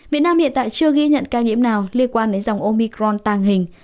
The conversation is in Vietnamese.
việt nam hiện tại chưa ghi nhận ca nhiễm nào liên quan đến dòng omicron tàng hình